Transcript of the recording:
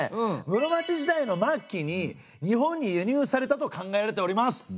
室町時代の末期に日本に輸入されたと考えられております。